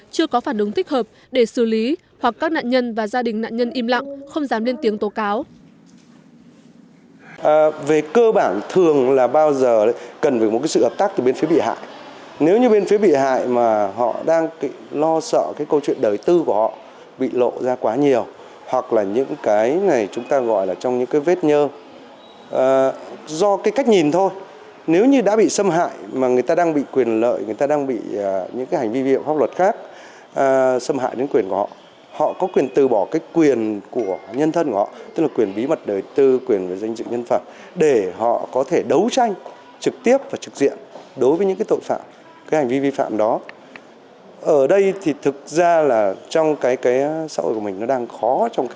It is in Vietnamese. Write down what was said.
chưa có phản ứng thích hợp để xử lý hoặc các nạn nhân và gia đình nạn nhân im lặng không dám lên tiếng tố cáo